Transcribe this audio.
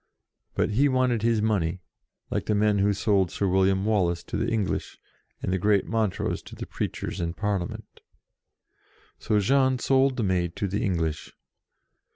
But he wanted his money, like the men who sold Sir William Wallace to the English, and the great Montrose to the preachers and Parliament. So Jean sold the Maid to the English.